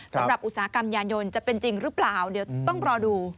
อุตสาหกรรมยานยนต์จะเป็นจริงหรือเปล่าเดี๋ยวต้องรอดู